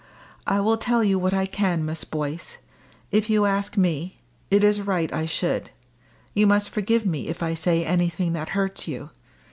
"I will tell you what I can, Miss Boyce. If you ask me, it is right I should. You must forgive me if I say anything that hurts you.